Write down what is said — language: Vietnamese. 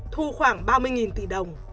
thu khoảng ba mươi tỷ đồng